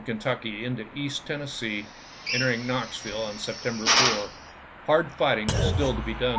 tucky into East Tennessee, entering Kuoxville on September 4. Hard fighting was still to be done im.